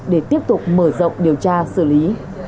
để tiếp tục mở rộng điều tra xử lý